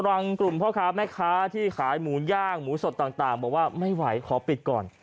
รังกลุ่มพ่อค้าแม่ค้าที่ขายหมูย่างหมูสดต่างบอกว่าไม่ไหวขอปิดก่อน